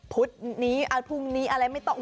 พุธนี้พรุ่งนี้อะไรไม่ต้อง